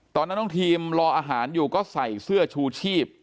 ตอนนั้นน้องทีมรออาหารอยู่ก็ใส่เสื้อชูชีพ